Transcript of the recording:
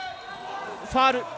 ファウル。